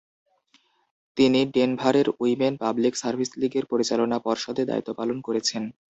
তিনি ডেনভারের women public service লীগের পরিচালনা পর্ষদে দায়িত্ব পালন করেছেন।